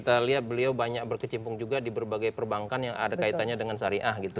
jadi ya beliau banyak berkecimpung juga di berbagai perbankan yang ada kaitannya dengan syariah gitu